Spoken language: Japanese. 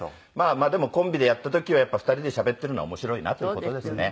まあでもコンビでやった時はやっぱり２人でしゃべってるのは面白いなっていう事ですね。